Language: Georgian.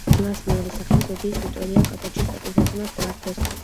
მას მეორე სახელი ბებიის, ვიტორია კაპოჩის პატივსაცემად დაარქვეს.